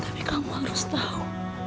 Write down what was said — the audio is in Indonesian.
tapi kamu harus tahu